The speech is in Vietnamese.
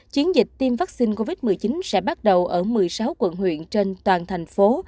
chiến dịch tiêm vaccine covid một mươi chín sẽ bắt đầu ở một mươi sáu quận huyện trên toàn thành phố